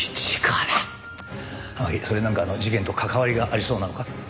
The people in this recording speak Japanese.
天樹それはなんか事件と関わりがありそうなのか？